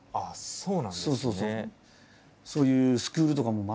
そうなんですか。